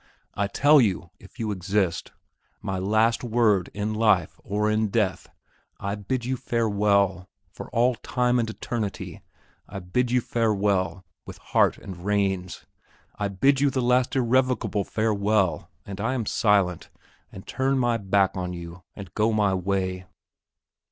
I tell you, if you exist, my last word in life or in death I bid you farewell, for all time and eternity I bid you farewell with heart and reins. I bid you the last irrevocable farewell, and I am silent, and turn my back on you and go my way....